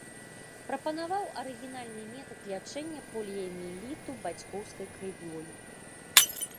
Прапанаваў арыгінальны метад лячэння поліяміэліту бацькоўскай крывёю.